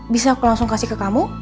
bisa aku langsung kasih ke kamu